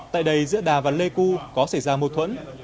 tại đây giữa đà và lê cưu có xảy ra mâu thuẫn